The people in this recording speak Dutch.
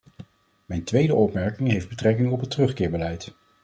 Mijn tweede opmerking heeft betrekking op het terugkeerbeleid.